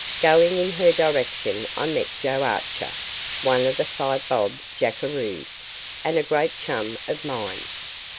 Going in her direction I met Joe Archer, one of the Five Bob jackeroos, and a great chum of mine.